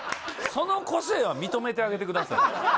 その個性は認めてあげてください